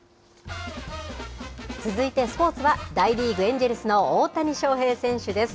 続いてスポーツは、大リーグ・エンジェルスの大谷翔平選手です。